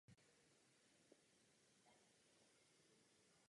Vzdělávání a práce jsou navzájem úzce provázané pojmy.